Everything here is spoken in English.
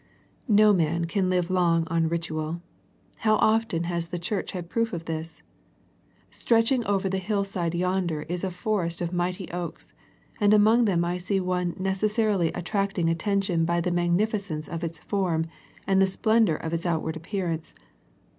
No man can live long on ritual. How often has the Church had proof of this. Stretching over the hill side yonder is a forest of mighty oaks, and among them I see one necessarily at tracting attention by the magnificence of its form, and the splendour of its outward appear ance.